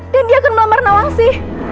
dan dia akan melamar nawangsi